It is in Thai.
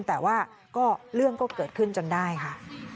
แต่ว่าก็เรื่องก็เกิดขึ้นจนได้ค่ะ